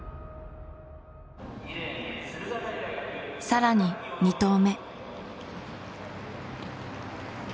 更に２投目。